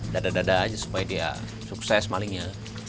dada dada aja supaya dia sukses malingnya